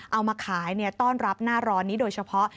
เอามาขายต้อนรับหน้าร้อนนี้โดยเฉพาะ